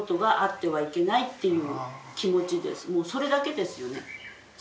もうそれだけですよね。